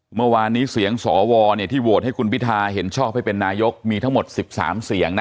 เมื่อวานนี้เสียงสวที่โหวตให้คุณพิทาเห็นชอบให้เป็นนายกมีทั้งหมด๑๓เสียงนะ